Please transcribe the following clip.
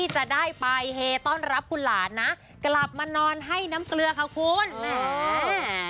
จะได้ไปเฮต้อนรับคุณหลานนะกลับมานอนให้น้ำเกลือค่ะคุณแม่